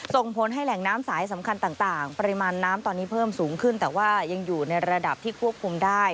ตอนนี้เพิ่มสูงขึ้นแต่ว่ายังอยู่ในระดับที่ควบคุมได้